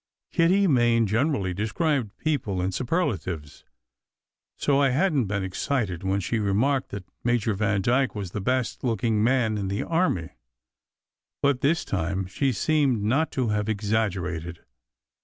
Kitty Main generally described people in superlatives, so I hadn t been excited when she remarked that Major Vandyke was the "best looking man in the army." But this time, she seemed not to have exagger ated.